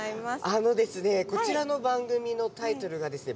あのですねこちらの番組のタイトルがですね